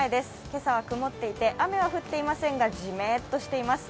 今朝は曇っていて、雨は降っていませんがジメっとしています。